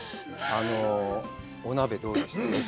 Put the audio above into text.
お鍋どうでした？